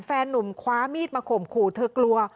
แฟนนุ่มคว้ามีดมาข่มขู่เธอกลัว